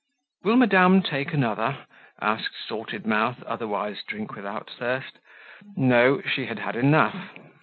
"Will madame take another?" asked Salted Mouth, otherwise Drink without Thirst. No, she had had enough.